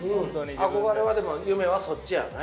憧れは夢はそっちやね。